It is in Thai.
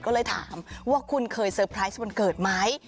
ก็เลยถามว่าคุณเคยเซอร์ไพรส์วันเกิดไหม